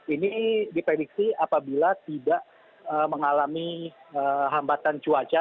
ini diprediksi apabila tidak mengalami hambatan cuaca